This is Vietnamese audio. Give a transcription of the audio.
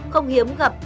không hiếm gặp